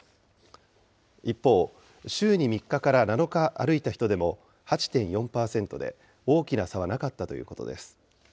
一方、週に３日から７日歩いた人でも８．４％で、大きな差はなかったということです。